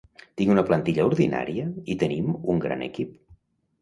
Tinc una plantilla ordinària i tenim un gran equip.